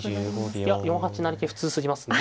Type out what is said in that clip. いや４八成桂普通すぎますね。